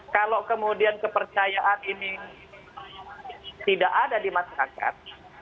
kalau kemudian kepercayaan ini tidak ada di masyarakat